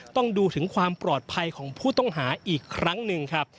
ต้องดูถึงความปลอดภัยของผู้ต้องหาอีกครั้งหนึ่งครับ